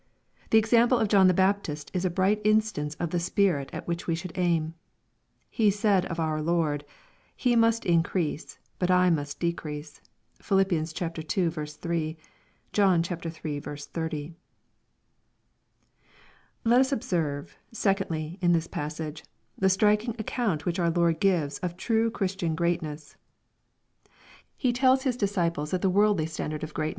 The example of John the Baptist is a bright instance of the spirit at which we should aim. He said of our Lord, " He must increase, but I must decrease." (Phil. ii. 3 ; John iii. 30.) Let us observe, secondly, in this passage, the striking account lohich our Lord gives of true Christian greatness. He tells His disciples that the worldly standard of greaN 404 EXPOSITORY THOUGHTS.